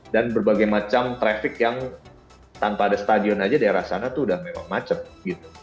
dan berbagai macam traffic yang tanpa ada stadion aja di arah sana tuh udah memang macet gitu